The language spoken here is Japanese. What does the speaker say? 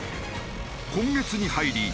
今月に入り大型